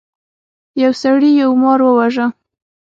یو سړي یو مار وواژه.